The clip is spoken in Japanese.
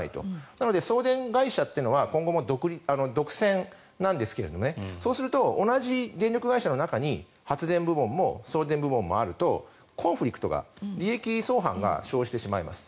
なので、送電会社は今後も独占なんですがそうすると同じ電力会社の中に発電部門も送電部門もあるとコンフリクトが利益相反が生じてしまいます。